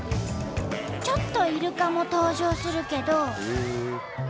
ちょっとイルカも登場するけど。